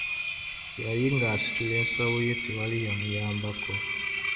Bwe yali ng'asitula ensawo ye tewali yamuyambako.